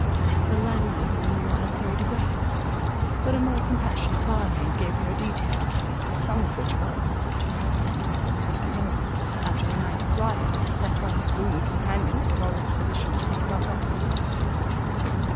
The landlady meanwhile hurried away; but a more compassionate bar maid gave her a detailed account, the sum of which was, that her husband had been taken ill, after a night of riot, and sent by his boon companions with all expedition to St. Bartholomew's Hospital.